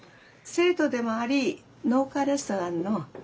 生徒でもあり農家レストランの。